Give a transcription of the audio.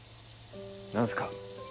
何すか？